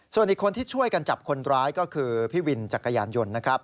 ส่วนอีกคนที่ช่วยกันจับคนร้ายก็คือพี่วินจักรยานยนต์นะครับ